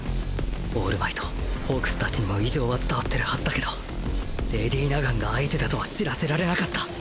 オールマイトホークス達にも異状は伝わってるはずだけどレディ・ナガンが相手だとは知らせられなかった。